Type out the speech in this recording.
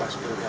pas belum ada